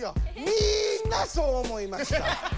みんなそう思いました。